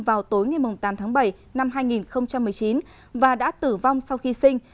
vào tối ngày tám tháng bảy năm hai nghìn một mươi chín và đã tử vong sau khi sinh